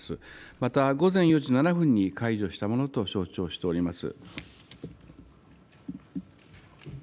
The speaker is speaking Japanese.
また午前４時７分に解除したものと承知をしております。